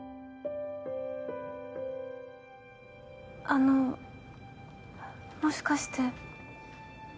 あのもしかして。